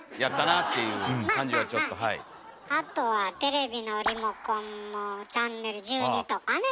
あとはテレビのリモコンもチャンネル１２とかね。